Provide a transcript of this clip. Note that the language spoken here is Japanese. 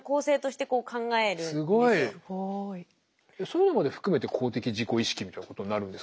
そういうのまで含めて公的自己意識みたいなことになるんですか？